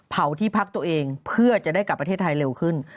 ที่พักตัวเองเพื่อจะได้กลับประเทศไทยเร็วขึ้น